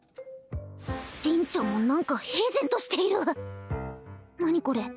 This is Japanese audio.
凛ちゃんも何か平然としている何これ？